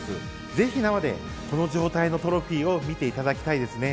ぜひ生でこの状態のトロフィーを見ていただきたいですね。